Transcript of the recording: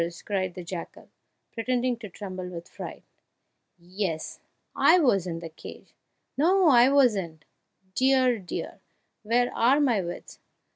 cried the jackal, pretending to tremble with fright; "yes! I was in the cage no I wasn't dear! dear! where are my wits?